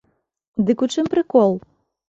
Дык у чым прыкол?